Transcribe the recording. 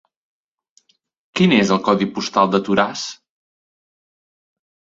Quin és el codi postal de Toràs?